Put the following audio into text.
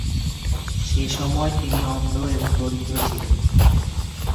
সেসময় তিনি অন্ধ এবং দরিদ্র ছিলেন।